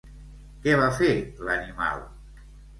Què va fer, l'animal?